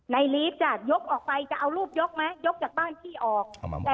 ลีฟจะยกออกไปจะเอารูปยกไหมยกจากบ้านพี่ออก